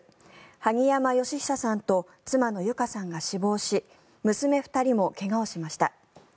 萩山嘉久さんと妻の友香さんが死亡し娘２人も怪我をしました。